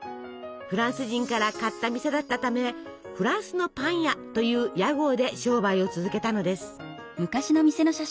フランス人から買った店だったため「フランスのパン屋」という屋号で商売を続けたのです。